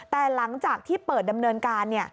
แต่หลังจากที่เปิดดำเนินการ